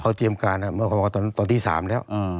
เขาเตรียมการตอนที่๓แล้ว